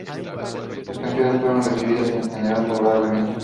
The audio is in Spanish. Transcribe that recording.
Las canciones fueron recibidas en general favorablemente.